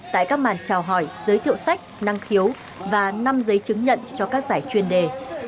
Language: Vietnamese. tại các màn trào hỏi giới thiệu sách năng khiếu và năm giấy chứng nhận cho các giải chuyên đề